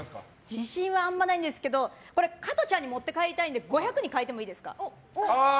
自信はあんまないんですけど加トちゃんに持って帰りたいので５００に変えてもいいですか？